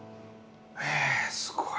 えすごい。